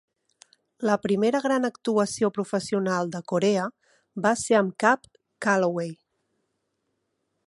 La primera gran actuació professional de Corea va ser amb Cab Calloway.